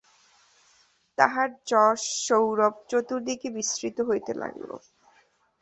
তাঁহার যশঃসৌরভ চতুর্দিকে বিস্তৃত হইতে লাগিল।